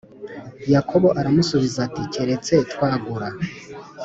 Yakobo aramusubiza ati Keretse twagura